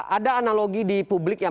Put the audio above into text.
ada analogi di publik yang